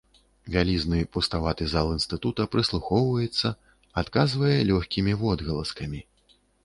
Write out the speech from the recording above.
Вялізны пуставаты зал інстытута прыслухоўваецца, адказвае лёгкімі водгаласкамі.